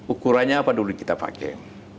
ukurannya apa dulu kita pakai